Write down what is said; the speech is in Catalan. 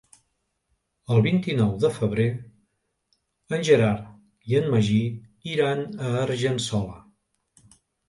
El vint-i-nou de febrer en Gerard i en Magí iran a Argençola.